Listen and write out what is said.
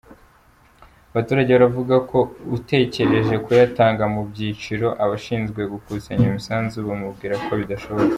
Abaturage baravuga ko utekereje kuyatanga mu byiciro abashinzwe gukusanya iyo misanzu bamubwira ko bidashoboka.